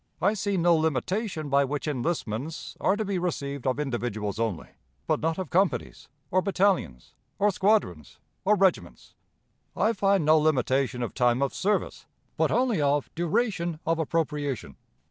I see no limitation by which enlistments are to be received of individuals only, but not of companies, or battalions, or squadrons, or regiments. I find no limitation of time of service, but only of duration of appropriation.